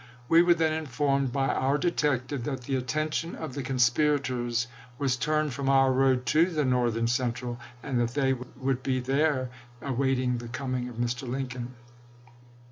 We were then informed by our detective that the attention of the conspirators was turned from our road to the Northern Central, and that they would there await the coming of Mr. Lincoln.